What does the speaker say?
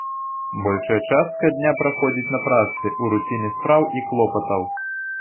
Большая частка дня праходзіць на працы, у руціне спраў і клопатаў.